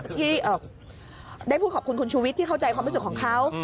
ที่ได้พูดขอบคุณคุณชูวิทย์ที่เข้าใจความรู้สึกของเขา